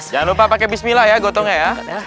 jangan lupa pakai bismillah ya gotongnya ya